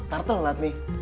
tartel lah ini